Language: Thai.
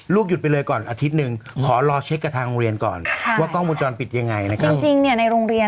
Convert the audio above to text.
ลูกหยุดไปเลยก่อนอาทิตย์หนึ่ง